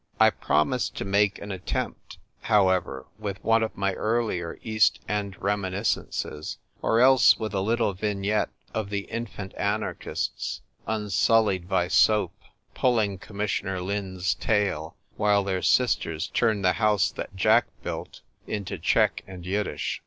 I promised to make an attempt, however, with one of my earlier East Knd reminiscences, or else with a little vignette of the infant anarchists, unsullied by soap, pulling Commissioner Lin's tail, while their sisters turned the House that Jack built into Czech and Yiddish.